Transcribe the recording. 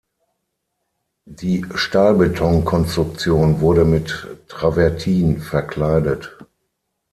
Die Stahlbetonkonstruktion wurde mit Travertin verkleidet.